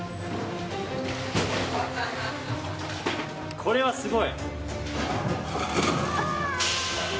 これはすごい。